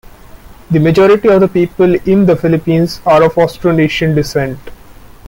The majority of the people in the Philippines are of Austronesian descent.